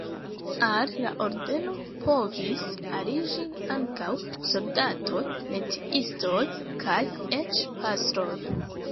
Al la ordeno povis aliĝi ankaŭ soldatoj, metiistoj kaj eĉ pastroj.